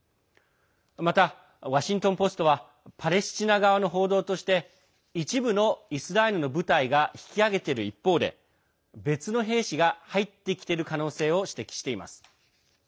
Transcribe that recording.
また、ワシントン・ポストはパレスチナ側の報道として一部のイスラエルの部隊が引き揚げている一方で別の兵士が入ってきている可能性を指摘しています。